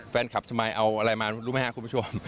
แฟนคลับสมัยเอาอะไรมารู้ไหมครับคุณผู้ชม